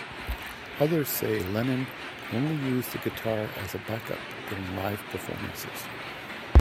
Others say Lennon only used the guitar as a back-up during live performances.